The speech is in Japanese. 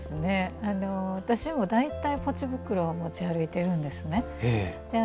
私も大体、ポチ袋は持ち歩いてるんですね。